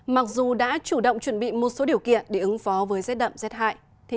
mặc dù đã chủ động chuẩn bị một số điều kiện để ứng phó với rét đậm rét hại